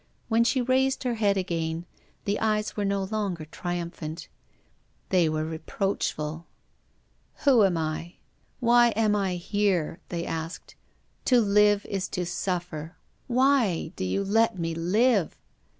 When she raised her head again, the eyes were no longer triumphant, they were reproachful. " Who am I ? Why am I here ?" they asked. " To live is to suflfer ; why do you let me live ?